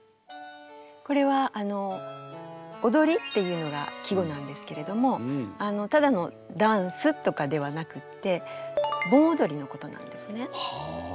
これは「踊り」っていうのが季語なんですけれどもただのダンスとかではなくって盆踊りのことなんですね。